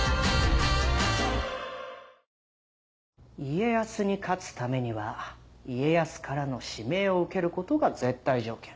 家康に勝つためには家康からの指名を受けることが絶対条件。